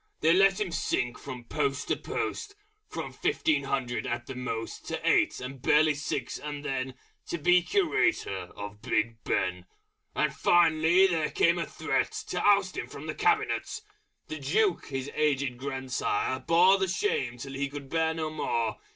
They let him sink from Post to Post, From fifteen hundred at the most To eight, and barely six and then To be Curator of Big Ben!... And finally there came a Threat To oust him from the Cabinet! The Duke his aged grand sire bore The shame till he could bear no more.